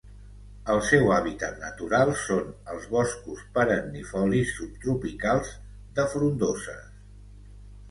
El seu hàbitat natural són els boscos perennifolis subtropicals de frondoses.